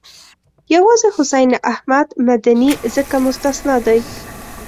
یوازې حسین احمد مدني ځکه مستثنی دی.